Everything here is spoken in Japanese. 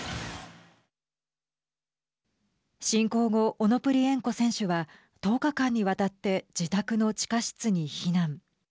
侵攻後、オノプリエンコ選手は１０日間にわたって自宅の地下室に避難。